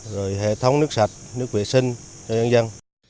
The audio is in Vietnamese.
rồi hệ thống nước sạch nước vệ sinh cho nhân dân